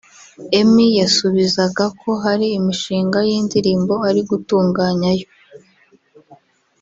Emmy yasubizaga ko hari imishinga y’indirimbo ari gutunganya yo